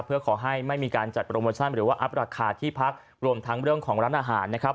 เพื่อขอให้ไม่มีการจัดโปรโมชั่นหรือว่าอัพราคาที่พักรวมทั้งเรื่องของร้านอาหารนะครับ